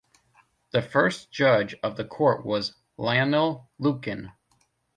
The first judge of the court was Lionel Lukin.